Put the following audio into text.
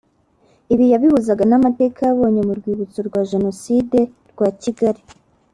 Ibi yabihuzaga n’amateka yabonye mu Rwibutso rwa Jenoside rwa Kigali